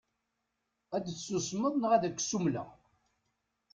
Ad tsusmeḍ neɣ ad k-ssumleɣ.